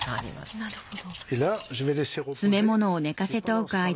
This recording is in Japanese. なるほど。